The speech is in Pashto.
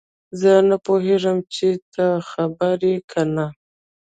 زه نه پوهیږم چې ته خبر یې که نه